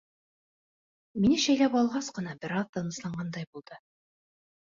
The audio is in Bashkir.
Мине шәйләп алғас ҡына бер аҙ тынысланғандай булды.